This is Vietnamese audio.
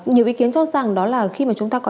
nhiều ý kiến cho rằng đó là khi mà chúng ta có